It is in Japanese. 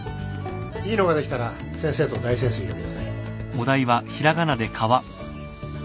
いいのができたら先生と大先生を呼びなさい。